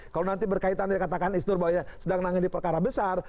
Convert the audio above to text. kalau nanti berkaitan dari katakan istri bahwa sedang nangis di perkara besar